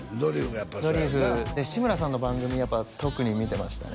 やっぱりそうやろうなで志村さんの番組やっぱり特に見てましたね